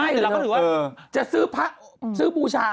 พี่แมว่ะแต่หนุ่มไม่ได้พี่แมว่ะแต่หนุ่มไม่ได้